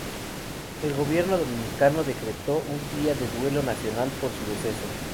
El gobierno dominicano decretó un día de duelo nacional por su deceso.